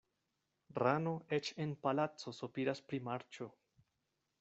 Rano eĉ en palaco sopiras pri marĉo.